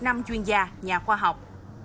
những chuyên gia nhà khoa học